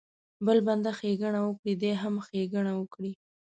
بل بنده ښېګڼه وکړي دی هم ښېګڼه وکړي.